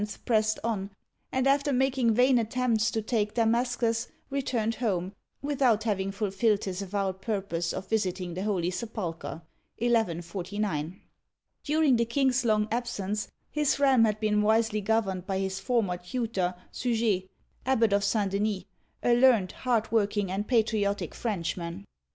pressed on, and after making vain attempts to take Damas'cus, returned home, without having fulfilled his avowed purpose of visiting the Holy Sepulcher (1149). During the king's long absence, his realm had been wisely governed by his former tutor, Suger (sii zha'), abbot of St. Denis, a learned, hard working, and patriotic French man.